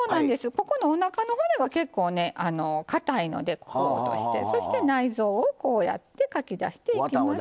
ここのおなかの骨が結構かたいのでここを落としてそして内臓をこうやってかき出していきます。